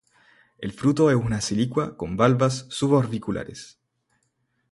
El fruto es una silicua con valvas suborbiculares.